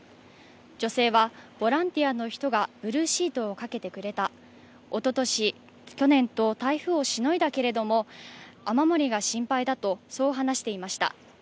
女性は、ボランティアの人がブルーシートをかけてくれたおととし、去年と台風をしのいだけれども、雨漏りが心配だと話していました。